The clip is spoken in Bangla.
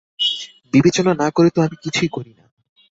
বিবেচনা না করে তো আমি কিছুই করি না।